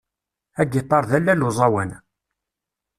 Agiṭar d allal uẓawan.